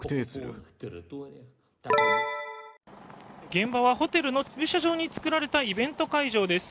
現場はホテルの駐車場に作られたイベント会場です。